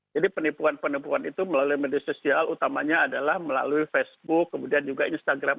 jadi penipuan penipuan itu melalui media sosial utamanya adalah melalui facebook kemudian juga instagram